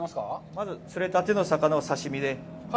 まず、釣れたての魚を刺身で。